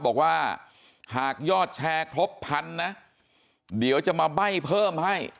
บอกว่าหากยอดแชร์ครบพันนะเดี๋ยวจะมาใบ้เพิ่มให้